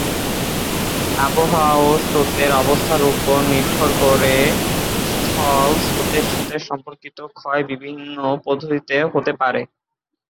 আবহাওয়া ও স্রোতের অবস্থার উপর নির্ভর করে স্থল স্রোতের সাথে সম্পর্কিত ক্ষয় বিভিন্ন পদ্ধতিতে হতে পারে।